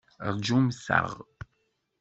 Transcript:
Rjumt-aɣ!